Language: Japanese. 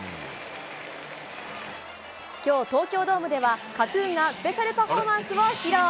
きょう、東京ドームでは、ＫＡＴーＴＵＮがスペシャルパフォーマンスを披露。